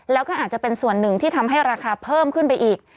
แล้วก็อาจจะเป็นส่วนหนึ่งที่ทำให้ราคาเพิ่มขึ้นไปอีก